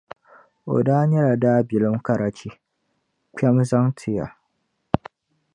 O daa nyɛla daabilim karachi, kpɛm' zaŋ n-ti ya.